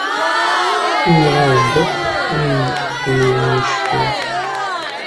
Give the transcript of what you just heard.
Nniɣ-awen-d akk ayen iwumi cfiɣ.